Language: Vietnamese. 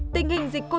tình hình giảm sáu ca